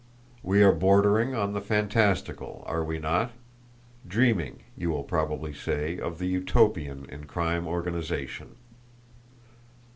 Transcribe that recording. We are bordering on the fantastical, are we not? Dreaming, you will probably say, of the Utopian in crime organisation.